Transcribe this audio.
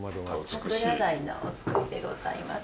桜鯛のお造りでございます。